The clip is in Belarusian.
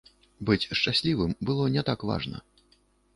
Быць шчаслівым было не так важна.